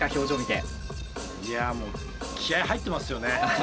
いやもう気合い入ってますよね。